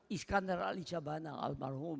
iskandar ali cabana almarhum